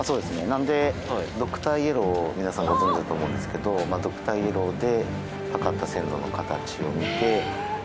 なのでドクターイエローを皆さんご存じだと思うんですけどドクターイエローで。